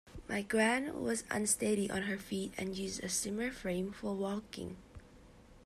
My gran was unsteady on her feet and used a Zimmer frame for walking